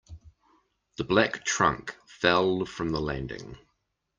The black trunk fell from the landing.